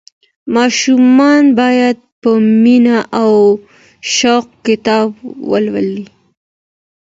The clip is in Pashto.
ماشومان باید په مینه او شوق کتاب ولولي.